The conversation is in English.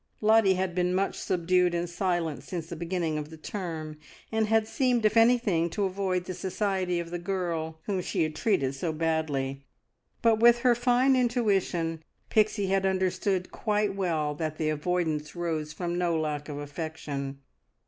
Lottie had been much subdued and silent since the beginning of the term, and had seemed, if anything, to avoid the society of the girl whom she had treated so badly, but with her fine intuition Pixie had understood quite well that the avoidance arose from no lack of affection.